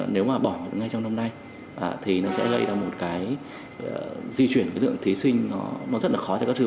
nếu mà bỏ ngay trong năm nay thì nó sẽ gây ra một cái di chuyển cái lượng thí sinh nó rất là khó cho các trường